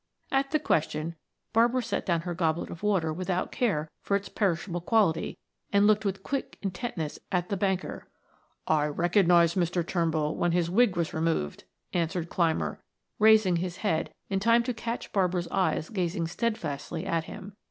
At the question Barbara set down her goblet of water without care for its perishable quality and looked with quick intentness at the banker. "I recognized Mr. Turnbull when his wig was removed," answered Clymer, raising his head in time to catch Barbara's eyes gazing steadfastly at him.